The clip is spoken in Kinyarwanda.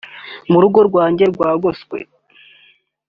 urugo rwanjye rwagoswe